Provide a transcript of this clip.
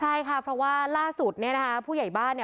ใช่ค่ะเพราะว่าล่าสุดผู้ใหญ่บ้าน